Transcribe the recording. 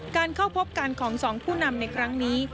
การเข้าพบกันของสองผู้นำในครั้งนี้